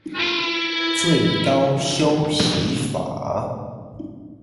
最高休息法